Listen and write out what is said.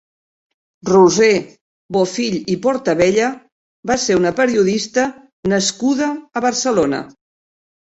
Roser Bofill i Portabella va ser una periodista nascuda a Barcelona.